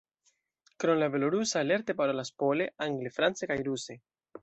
Krom la belorusa lerte parolas pole, angle, france kaj ruse.